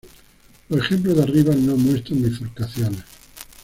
Los ejemplos de arriba no muestran bifurcaciones.